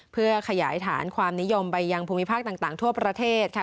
เพื่อขยายฐานความนิยมไปยังภูมิภาคต่างทั่วประเทศค่ะ